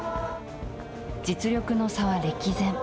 実力の差は歴然。